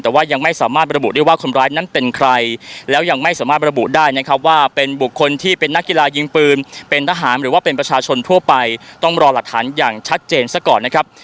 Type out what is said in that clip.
แต่ว่ายังไม่สามารถระบุได้ว่าคนร้ายนั้นเป็นใครแล้วยังไม่สามารถระบุได้นะครับว่าเป็นบุคคลที่เป็นนักกีฬายิงปืนเป็นทหารหรือว่าเป็นประชาชนทั่วไปต้องรอหลักฐานอย่างชัดเจนซะก่อนนะครับ